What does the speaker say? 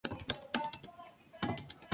Fue centro de esclavos.